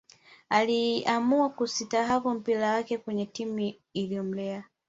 Aliamua kusitahafu mpira wake kwenye timu iliyomlea